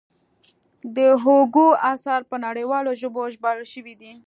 د هوګو اثار په نړیوالو ژبو ژباړل شوي دي.